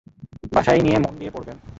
বাসায় নিয়ে মন দিয়ে পড়বেন।